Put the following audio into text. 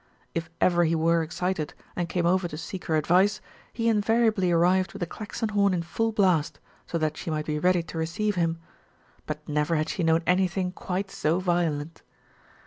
If ever he were excited and came over to seek her advice, he invariably arrived with the Klaxon horn in full blast, so that she might be ready to receive him; but never had she known anything quite so violent.